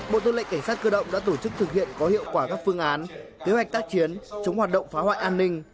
bộ tư lệnh cảnh sát cơ động đã tổ chức thực hiện có hiệu quả các phương án kế hoạch tác chiến chống hoạt động phá hoại an ninh